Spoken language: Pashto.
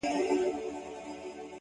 ولي مي هره شېبه ـ هر ساعت په غم نیسې ـ